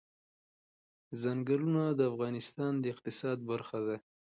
ځنګلونه د افغانستان د اقتصاد برخه ده.